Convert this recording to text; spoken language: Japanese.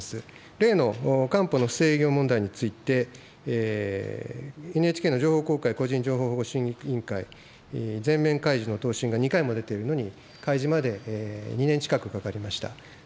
例のかんぽの不正営業問題について、ＮＨＫの情報公開個人情報保護審議委員会、全面開示の答申が２回も出ているのに、開示まで２年近くかかりました。